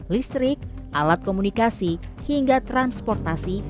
listrik alat komunikasi hingga transportasi